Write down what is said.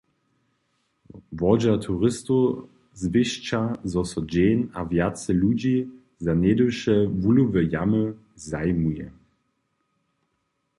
Wodźer turistow zwěsća, zo so dźeń a wjace ludźi za něhdyše wuhlowe jamy zajimuje.